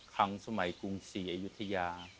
ครั้งสมัยกรุงศรีอยุธยา